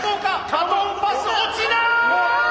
バトンパス落ちない！